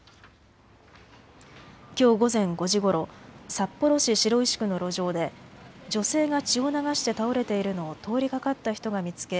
きょう午前５時ごろ札幌市白石区の路上で女性が血を流して倒れているのを通りかかった人が見つけ